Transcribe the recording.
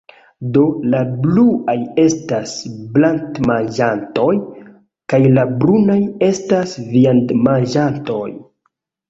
Do, la bluaj estas plantmanĝantoj, kaj la brunaj estas viandmanĝantoj.